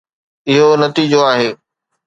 اهو نتيجو آهي